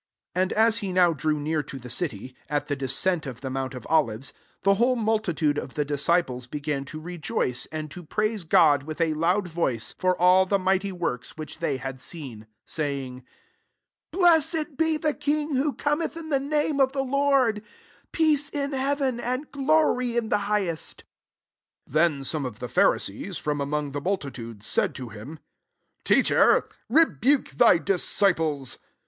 37 And as he now drew near to the cityy at the descent of the mount of Olives, the whole multitude of the disciples began to rejoice, and to praise God with a loud voice, for all the mighty works which they had seen ; 38 saying, ^< Blessed he the King who cometh in the name of the Lord : peace in heaven, and glory in the highest." 39 Then some of the Phari sees, from among the multitude, said to him, " Teacher, rebuke thy disciples."